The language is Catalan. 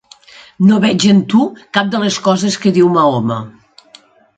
No veig en tu cap de les coses que diu Mahoma.